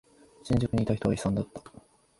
新宿にいた人は悲惨だった。